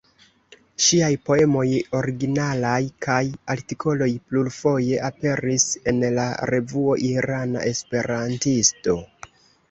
Ŝiaj poemoj originalaj kaj artikoloj plurfoje aperis en la revuo "Irana Esperantisto".